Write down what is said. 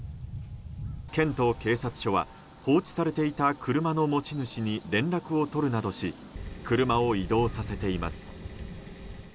県と警察署は放置されていた車の持ち主に連絡を取るなどし車を移動させています。